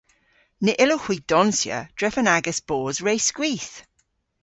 Ny yllowgh hwi donsya drefen agas bos re skwith.